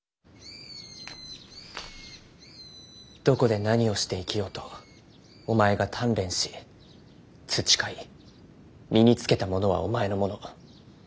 「どこで何をして生きようとお前が鍛錬し培い身につけたものはお前のもの。